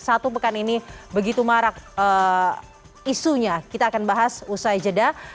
satu pekan ini begitu marak isunya kita akan bahas usai jeda